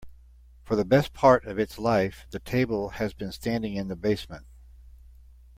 For the best part of its life, the table has been standing in the basement.